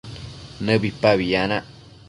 nëbipabi yanac